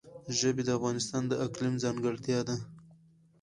ژبې د افغانستان د اقلیم ځانګړتیا ده.